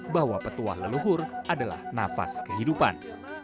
bahwa petuah leluhur adalah nafas kehidupan